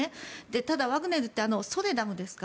ただワグネルってソレダルですか。